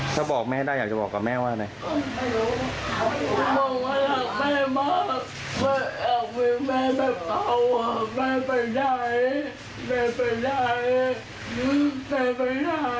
ถ้าบอกแม่ได้อยากจะบอกกับแม่ว่าไง